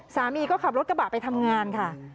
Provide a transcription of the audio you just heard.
สามีก็ขับรถกระบะไปทำงานค่ะ